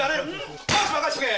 よし任しとけ！